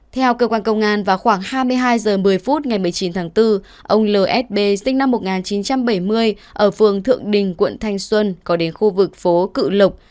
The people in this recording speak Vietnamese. theo cơ quan công an vào khoảng hai mươi hai h một mươi phút ngày một mươi chín tháng bốn ông lsb sinh năm một nghìn chín trăm bảy mươi ở phường thượng đình quận thanh xuân có đến khu vực phố cự lộc